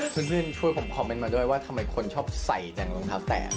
เพื่อนช่วยผมคอมเมนต์มาด้วยว่าทำไมคนชอบใส่แต่รองเท้าแตก